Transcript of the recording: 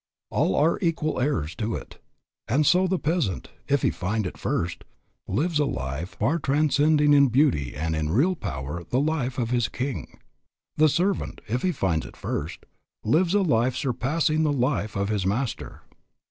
All are equal heirs to it. And so the peasant, if he find it first, lives a life far transcending in beauty and in real power the life of his king. The servant, if he find it first, lives a life surpassing the life of his master.